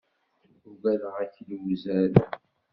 Ugadeɣ akli uzal.